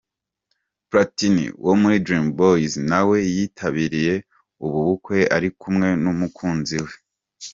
Platini wo muri Dream Boys nawe yitabiriye ubu bukwe ari kumwe n'umukunzi we .